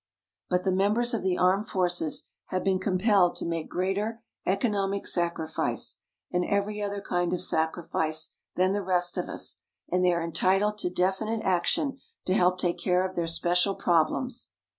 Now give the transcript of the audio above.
But the members of the armed forces have been compelled to make greater economic sacrifice and every other kind of sacrifice than the rest of us, and they are entitled to definite action to help take care of their special problems.